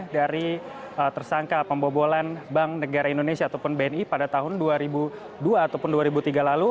dari tersangka pembobolan bank negara indonesia ataupun bni pada tahun dua ribu dua ataupun dua ribu tiga lalu